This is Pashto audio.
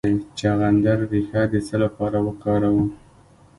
د چغندر ریښه د څه لپاره وکاروم؟